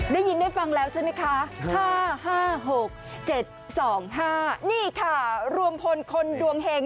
ได้ยินได้ฟังแล้วใช่ไหมคะ๕๕๖๗๒๕นี่ค่ะรวมพลคนดวงเห็ง